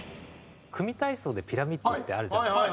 組み体操でピラミッドってあるじゃないですか。